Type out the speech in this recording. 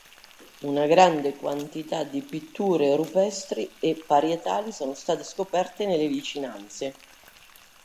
Una grande quantità di pitture rupestri e parietali sono state scoperte nelle vicinanze.